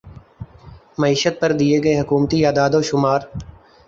معیشت پر دیے گئے حکومتی اعداد و شمار